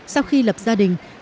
sau khi lập gia đình